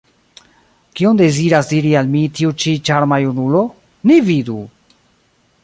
Kion deziras diri al mi tiu ĉi ĉarma junulo? Ni vidu!